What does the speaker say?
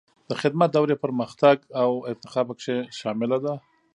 د خدمت دورې پرمختګ او ارتقا پکې شامله ده.